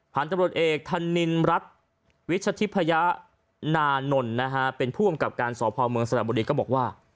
ผ่านตำรวจเอกธนินรัฐวิชธิพยานานนเป็นผู้อำกับการสหพาลเมืองสตราบุรีก็บอกว่า